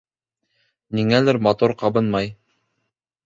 Ниңәлер мотор ҡабынмай